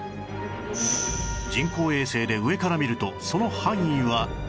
人工衛星で上から見るとその範囲は